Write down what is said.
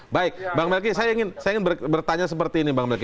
baik bang melki saya ingin bertanya seperti ini bang melki